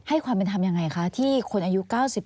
ความเป็นธรรมยังไงคะที่คนอายุ๙๘